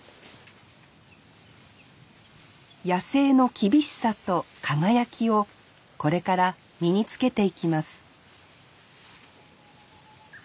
野生の厳しさと輝きをこれから身につけていきます